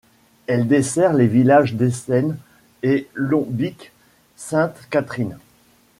Elle dessert les villages d'Essene et Lombeek-Sainte-Catherine.